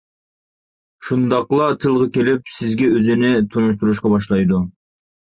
شۇنداقلا تىلغا كېلىپ سىزگە ئۆزىنى تونۇشتۇرۇشقا باشلايدۇ.